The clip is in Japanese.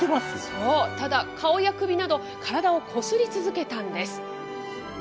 そう、ただ顔や首など、体をこすり続けたんです。